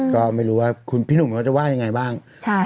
ก็ไม่รู้ว่าคุณพี่หนุ่มเขาจะว่ายังไงบ้าง